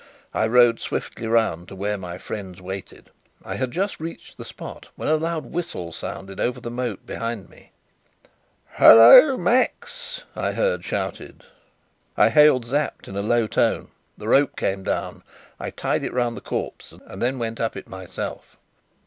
I rowed swiftly round to where my friends waited. I had just reached the spot, when a loud whistle sounded over the moat behind me. "Hullo, Max!" I heard shouted. I hailed Sapt in a low tone. The rope came down. I tied it round the corpse, and then went up it myself.